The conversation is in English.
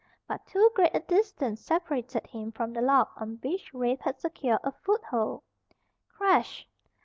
But too great a distance separated him from the log on which Rafe had secured a foothold. Crash!